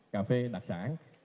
cà phê đặc sản